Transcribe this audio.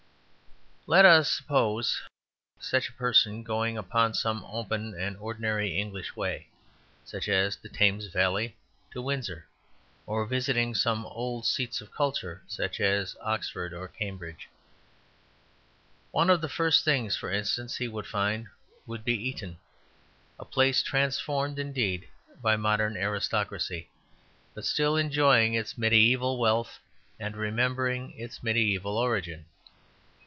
Let us suppose such a person going upon some open and ordinary English way, such as the Thames valley to Windsor, or visiting some old seats of culture, such as Oxford or Cambridge. One of the first things, for instance, he would find would be Eton, a place transformed, indeed, by modern aristocracy, but still enjoying its mediæval wealth and remembering its mediæval origin.